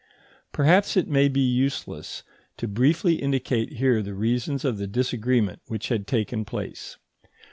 Perhaps it may not be useless to briefly indicate here the reasons of the disagreement which had taken place.